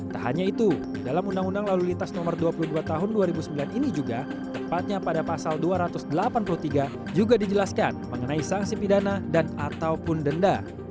tak hanya itu dalam undang undang lalu lintas nomor dua puluh dua tahun dua ribu sembilan ini juga tepatnya pada pasal dua ratus delapan puluh tiga juga dijelaskan mengenai sanksi pidana dan ataupun denda